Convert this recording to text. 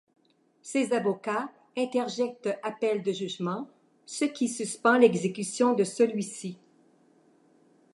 Ses avocats interjettent appel du jugement, ce qui suspend l'exécution de celui-ci.